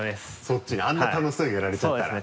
そっちねあんな楽しそうにやられちゃったら。